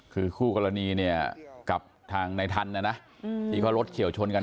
คือคู่กรณีกับทางในทันนะอีกว่ารถเขียวชนกัน